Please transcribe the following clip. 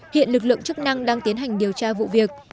hiện lực lượng chức năng đang tiến hành điều tra vụ việc